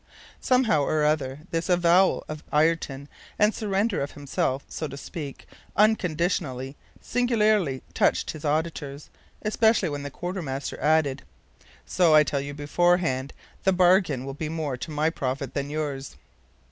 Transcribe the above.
Somehow or other, this avowal of Ayrton, and surrender of himself, so to speak, unconditionally, singularly touched his auditors, especially when the quartermaster added: "So I tell you beforehand, the bargain will be more to my profit than yours."